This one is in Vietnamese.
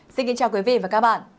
xin kính chào quý vị và các bạn